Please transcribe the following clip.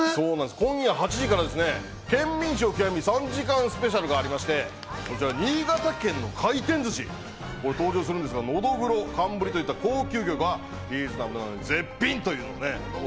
今夜８時から『ケンミンＳＨＯＷ極』３時間スペシャルがありまして、新潟県の回転寿司が登場するんですけど、ノドグロ、寒ブリといった高級魚が出てくるんですけど、リーズナブルなのに絶品。